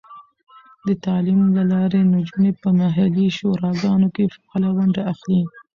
د تعلیم له لارې، نجونې په محلي شوراګانو کې فعاله ونډه اخلي.